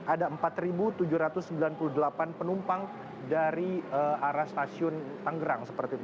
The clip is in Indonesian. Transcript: ada empat tujuh ratus sembilan puluh delapan penumpang dari arah stasiun tanggerang